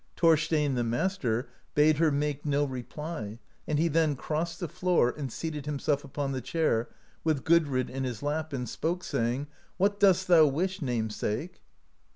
Thorstein, the master, bade her make no reply, and he then crossed the floor, and seated himself upon the chair, with Gudrid in his lap, and spoke, saying: "What dost thou wish, namesake?"